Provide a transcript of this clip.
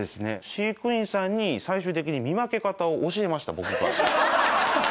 飼育員さんに最終的に見分け方を教えました僕から。